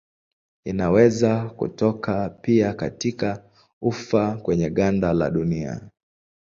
Inaweza kutoka pia katika ufa kwenye ganda la dunia.